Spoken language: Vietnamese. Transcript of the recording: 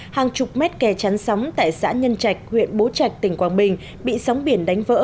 hàng chục mét kè chắn sóng tại xã nhân trạch huyện bố trạch tỉnh quảng bình bị sóng biển đánh vỡ